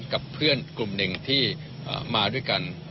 กับเพื่อนกลุ่มหนึ่งที่มาด้วยกัน